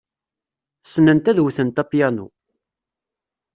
Ssnent ad wtent apyanu.